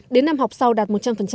đến năm học sau đạt một trăm linh